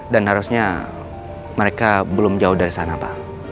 dan harusnya mereka belum jauh dari sana pak